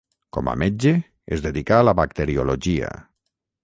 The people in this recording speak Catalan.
Com a metge, es dedicà a la bacteriologia.